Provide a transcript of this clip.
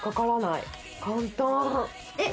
えっ